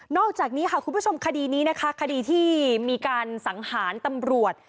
อกจากนี้ค่ะคุณผู้ชมคดีนี้นะคะคดีที่มีการสังหารตำรวจ